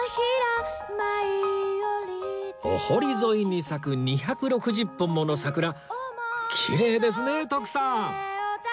お堀沿いに咲く２６０本もの桜きれいですね徳さん